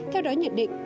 theo đó nhận định